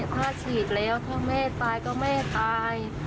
ถ้าฉีดแล้วถ้าแม่ตายก็แม่ตาย